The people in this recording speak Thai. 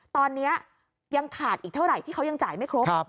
ตอนนี้ยังขาดอีกเท่าไหร่ที่เขายังจ่ายไม่ครบ